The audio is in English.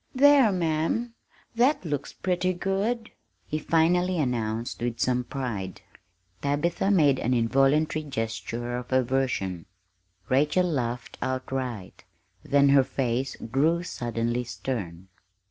"There, ma'am, that looks pretty good!" he finally announced with some pride. Tabitha made an involuntary gesture of aversion. Rachel laughed outright; then her face grew suddenly stern.